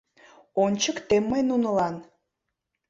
Ончыктем мый нунылан!..